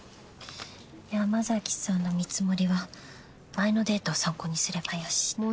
山崎さんの見積もりは前のデータを参考にすればよし。